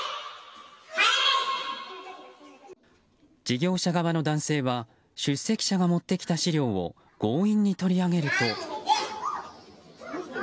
事業者側の男性は出席者が持ってきた資料を強引に取り上げると。